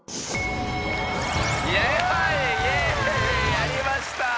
やりました！